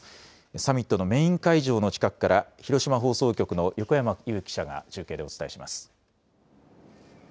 サミットのメイン会場の近くから、広島放送局の横山悠記者が中継でお伝えします。